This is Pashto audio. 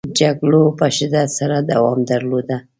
جګړو په شدت سره دوام درلوده.